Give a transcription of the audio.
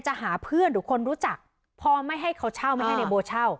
หาเพื่อนหรือคนรู้จักพอไม่ให้เขาเช่าไม่ให้ในโบเช่า